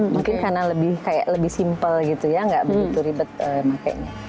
mungkin karena lebih kayak lebih simple gitu ya nggak begitu ribet emang kayaknya